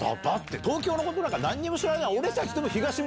東京のことなんか何にも知らない。